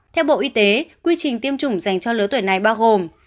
theo bộ y tế quy trình tiêm chủng dành cho lứa tuổi này bao gồm